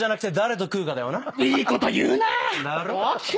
いいこと言うな！ＯＫ。